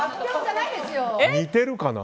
似てるかな？